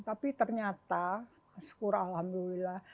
tapi ternyata syukur alhamdulillah